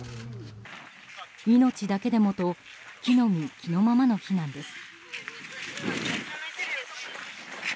命だけでもと着の身着のままの避難です。